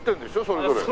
それぞれ。